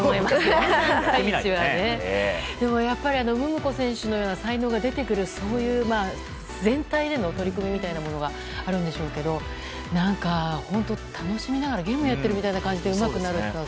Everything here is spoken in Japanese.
ムココ選手のような才能が出てくる全体での取り組みみたいなのがあるんでしょうけど何か楽しみながらゲームやってるみたいな感じでうまくなるのは。